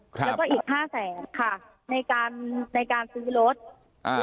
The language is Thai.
แล้วก็อีกห้าแสนค่ะในการในการซื้อรถอ่า